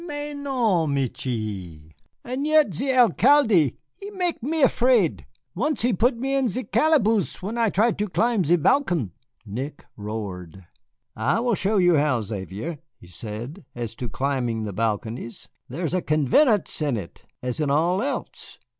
Mais non, Michié. And yet ze Alcalde, he mek me afraid. Once he put me in ze calaboose when I tried to climb ze balcon'." Nick roared. "I will show you how, Xavier," he said; "as to climbing the balconies, there is a convenance in it, as in all else.